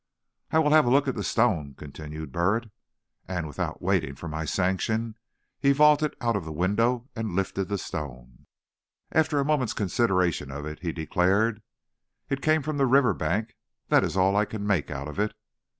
"I will have a look at that stone," continued Burritt; and without waiting for my sanction, he vaulted out of the window and lifted the stone. After a moment's consideration of it he declared: "It came from the river bank; that is all I can make out of it."